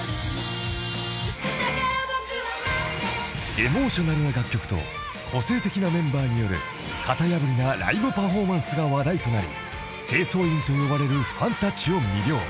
［エモーショナルな楽曲と個性的なメンバーによる型破りなライブパフォーマンスが話題となり清掃員と呼ばれるファンたちを魅了］